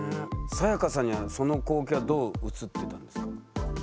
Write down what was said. サヤカさんにはその光景はどう映ってたんですか？